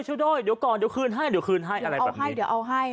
ช่วยด้วยเดี๋ยวก่อนเดี๋ยวคืนให้ถืออะไรแบบนี้